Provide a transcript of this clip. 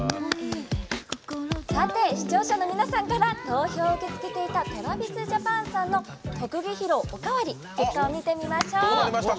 視聴者の皆さんから投票を受け付けていたＴｒａｖｉｓＪａｐａｎさんの特技披露おかわり結果を見てみましょう。